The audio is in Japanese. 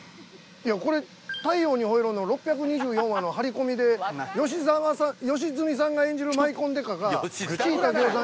いやこれ「太陽にほえろ！」の６２４話の張り込みで良純さんが演じるマイコンデカが地井武男さん